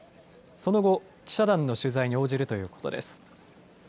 その後、記者団の取材に応じるということです。